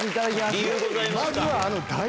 理由ございますか？